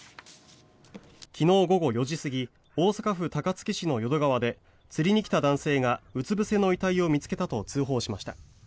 昨日午後４時過ぎ大阪府高槻市の淀川で釣りに来た男性がうつぶせの遺体を見つけたと通報しました。